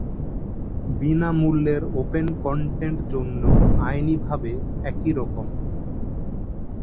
বিনামূল্যের open content জন্য আইনিভাবে একইরকম।